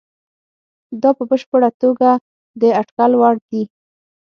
دا په بشپړه توګه د اټکل وړ دي.